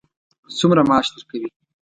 څومره معاش درکوي.